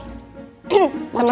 hmm mau cumi nggak